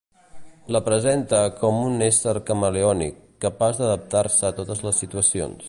La presente com un ésser camaleònic, capaç d'adaptar-se a totes les situacions.